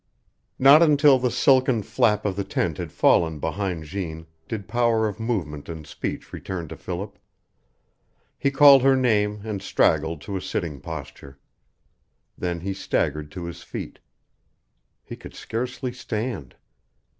XV Not until the silken flap of the tent had fallen behind Jeanne did power of movement and speech return to Philip. He called her name and straggled to a sitting posture. Then he staggered to his feet. He could scarcely stand.